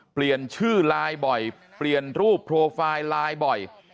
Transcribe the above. เปลี่ยนชื่อไลน์บ่อยเปลี่ยนรูปโปรไฟล์ไลน์บ่อย